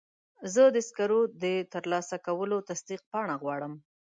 زه د سکرو د ترلاسه کولو تصدیق پاڼه غواړم.